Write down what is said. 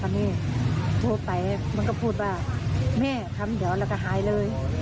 ตอนนี้พูดไปมันก็พูดว่าแม่คำเดียวแล้วก็หายเลย